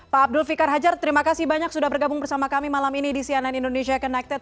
pak abdul fikar hajar terima kasih banyak sudah bergabung bersama kami malam ini di cnn indonesia connected